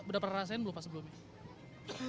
udah pernah rasain belum pak sebelumnya